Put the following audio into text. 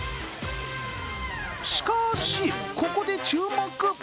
しかし、ここで注目！